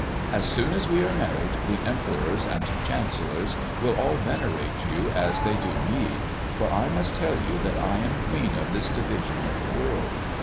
"As soon as we are married, the emperors and chancellors will all venerate you as they do me, for I must tell you that I am queen of this division of the world.